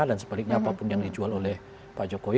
dan sebaliknya apapun yang dijual oleh pak jokowi